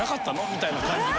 みたいな感じの。